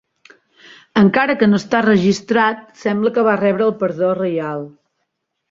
Encara que no està registrat, sembla que va rebre el perdó reial.